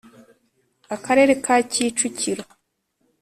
Akarere ka Kicukiro